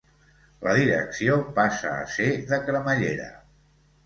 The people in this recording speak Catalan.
La direcció passa a ser de cremallera.